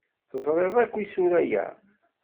Teẓriḍ akk isura-ya?